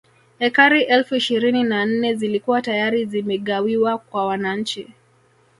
Ekari elfu ishirini na nne zilikuwa tayari zimegawiwa kwa wananchi